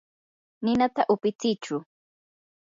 ninata upitsichu.